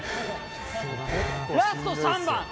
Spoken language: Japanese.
ラスト３本。